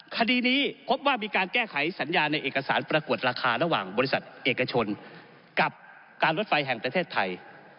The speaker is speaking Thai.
คดีนี้พบว่ามีการแก้ไขสัญญาในเอกสารประกวดราคาระหว่างบริษัทเอกชนกับการรถไฟแห่งประเทศไทย